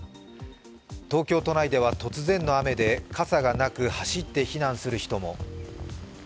東京都内では突然の雨で傘がなく走って避難する人も。